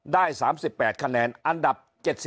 ได้๓๘คะแนนอันดับ๗